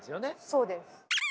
そうです。